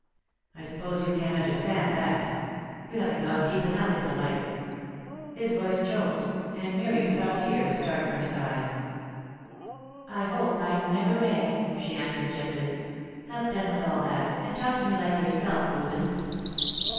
I suppose you can't understand that? You haven't gone deep enough into life." His voice choked, and Miriam saw tears start from his eyes. "I hope I never may," she answered gently. "Have done with all that, and talk to me like yourself, Reuben."